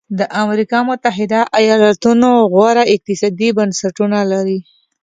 د امریکا متحده ایالتونو غوره اقتصادي بنسټونه لري.